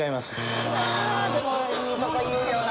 でもいいとこ言うよな。